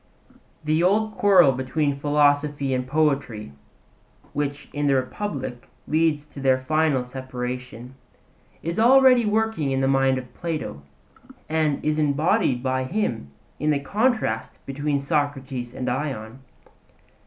The old quarrel between philosophy and poetry, which in the Republic leads to their final separation, is already working in the mind of Plato, and is embodied by him in the contrast between Socrates and Ion.